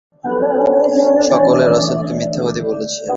ওরা সকলেই রসূলগণকে মিথ্যাবাদী বলেছে।